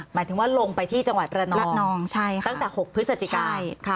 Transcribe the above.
หมายถึงว่าลงไปที่จังหวัยประนองประนองใช่ค่ะตั้งแต่หกพฤศจิกาใช่ค่ะ